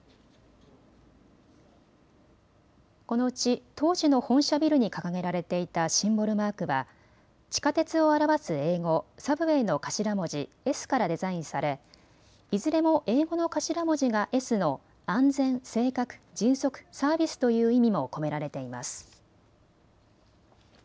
このうち当時の本社ビルに掲げられていたシンボルマークは地下鉄を表す英語ＳＵＢＷＡＹの頭文字Ｓからデザインされいずれも英語の頭文字がＳの安全、正確、迅速、サービスという意味も込められています。